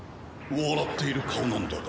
笑っている顔なんだが。